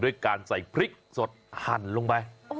การใส่พริกสดหั่นลงไป